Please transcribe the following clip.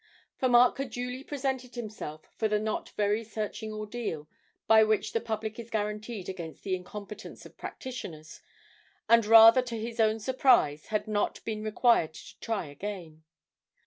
For Mark had duly presented himself for the not very searching ordeal by which the public is guaranteed against the incompetence of practitioners, and, rather to his own surprise, had not been required to try again.